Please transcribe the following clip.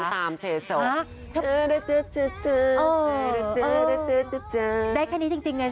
แปลวแปลวแปลว